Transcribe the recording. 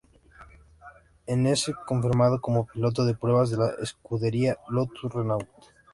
En es confirmado como piloto de pruebas de la escudería Lotus Renault.